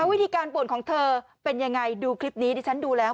วิธีการป่วนของเธอเป็นยังไงดูคลิปนี้ดิฉันดูแล้ว